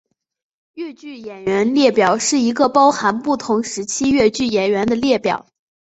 越剧演员列表是一个包含不同时期越剧演员的列表。